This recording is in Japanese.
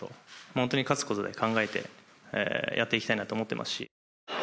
本当に勝つ事だけ考えてやっていきたいなと思ってますし。